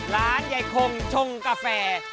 ร้านยายคงชงกาแฟ